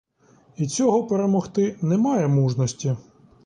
І цього перемогти немає мужності.